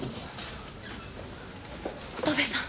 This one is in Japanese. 乙部さん